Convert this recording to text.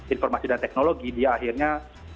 informasi dan teknologi dia akhirnya